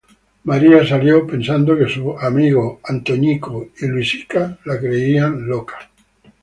Leah corrió pensando que sus amigos Mike y Jessica la creyeran loca.